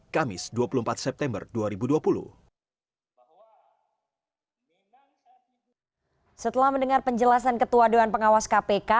tapi terima kasih sekali ketua dewan pengawas kpk